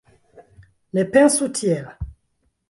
Ne pensu tiel